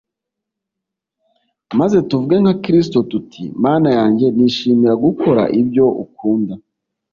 maze tuvuge nka Kristo tuti, “Mana yanjye nishimira gukora ibyo ukunda.